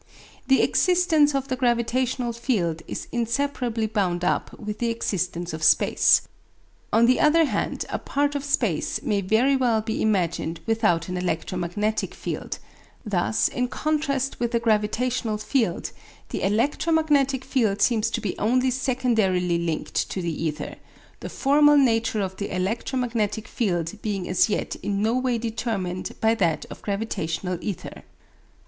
The existence of the gravitational field is inseparably bound up with the existence of space. On the other hand a part of space may very well be imagined without an electromagnetic field; thus in contrast with the gravitational field, the electromagnetic field seems to be only secondarily linked to the ether, the formal nature of the electromagnetic field being as yet in no way determined by that of gravitational ether.